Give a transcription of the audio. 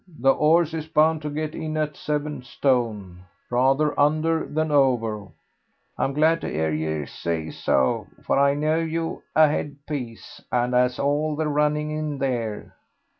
The 'orse is bound to get in at seven stone, rather under than over." "I'm glad to 'ear yer say so, for I know you've a headpiece, and 'as all the running in there."